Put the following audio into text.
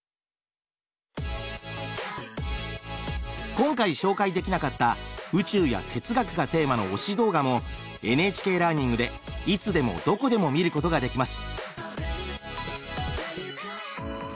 今回紹介できなかった宇宙や哲学がテーマの推し動画もＮＨＫラーニングでいつでもどこでも見ることができます。